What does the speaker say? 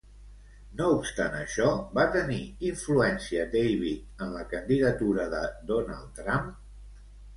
No obstant això, va tenir influència David en la candidatura de Donald Trump?